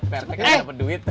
pak rete kan dapat duit